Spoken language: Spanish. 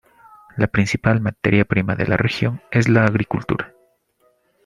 La principal materia prima de la región es la agricultura.